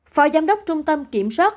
phó giám đốc trung tâm kiểm soát